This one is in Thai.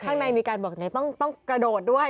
ข้างในมีการบอกไหนต้องกระโดดด้วย